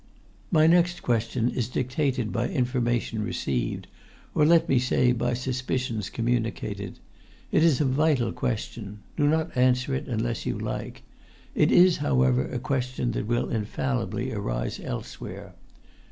"My next question is dictated by information received, or let me say by suspicions communicated. It is a vital question; do not answer unless you like. It is, however, a question that will infallibly arise elsewhere.